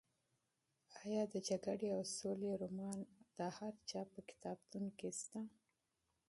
ایا د جګړې او سولې رومان د هر چا په کتابتون کې شته؟